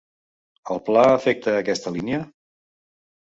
El Pla afecta a aquesta línia?